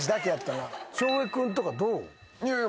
翔平君とかどう？